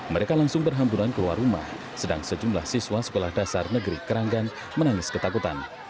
mereka langsung berhamburan keluar rumah sedang sejumlah siswa sekolah dasar negeri keranggan menangis ketakutan